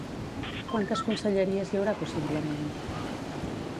Quantes conselleries hi haurà possiblement?